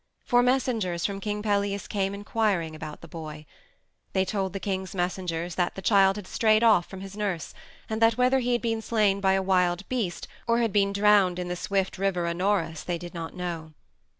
For messengers from King Pelias came inquiring about the boy. They told the king's messengers that the child had strayed off from his nurse, and that whether he had been slain by a wild beast or had been drowned in the swift River Anaurus they did not know.